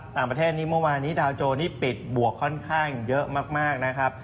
ต่างประเทศนี้เมื่อวานนี้ดาวโจนี่ปิดบวกค่อนข้างเยอะมากนะครับ